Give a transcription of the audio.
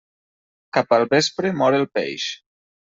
Cap al vespre mor el peix.